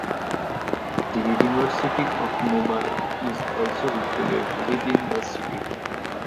The University of Mobile is also located within the city.